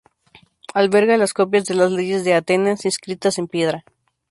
Albergaba las copias de las leyes de Atenas, inscritas en piedra.